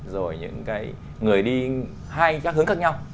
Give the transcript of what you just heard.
rồi những cái người đi hai các hướng khác nhau